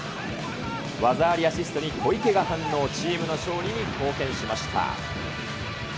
技ありアシストに小池が反応、チームの勝利に貢献しました。